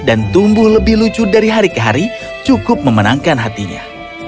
dan tumbuh lebih lucu dari hari ke hari cukup memenangkan hatinya